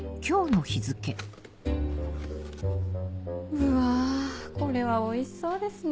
うわぁこれはおいしそうですね。